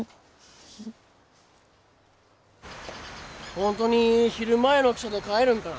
本当に昼前の汽車で帰るんかな？